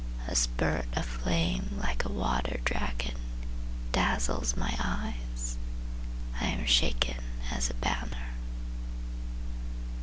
A spurt of flame like a water dragon Dazzles my eyes— I am shaken as a banner!